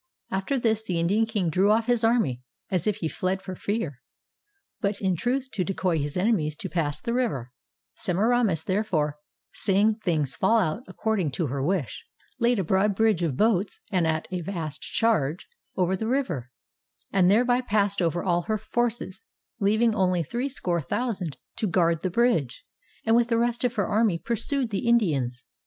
After this, the Indian king drew off his army (as if he fled for fear), but in truth to decoy his enemies to pass the river, Semiramis, therefore (seeing things fall out according to her wish), laid a broad bridge of boats (at a vast charge) over the river, and thereby passed over all her forces, leaving only threescore thousand to guard the bridge, and with the rest of her army pursued the Indians.